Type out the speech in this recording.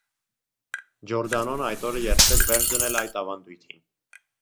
Ջորդանոն այդ օրը երդվեց վերջ դնել այդ ավանդույթին։